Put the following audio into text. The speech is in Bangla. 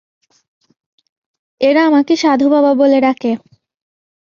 এরা আমাকে সাধুবাবা বলে ডাকে।